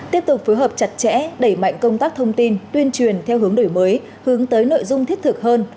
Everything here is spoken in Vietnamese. tiếp tục phối hợp chặt chẽ đẩy mạnh công tác thông tin tuyên truyền theo hướng đổi mới hướng tới nội dung thiết thực hơn